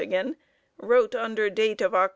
wrote under date of Oct.